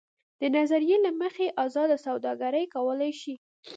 دې نظریې له مخې ازاده سوداګري کولای شي.